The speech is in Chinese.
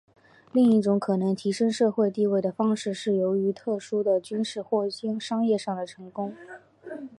另一种可能提升社会地位的方式是由于特殊的军事或商业上的成功。